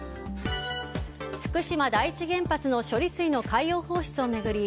福島第一原発の処理水の海洋放出を巡り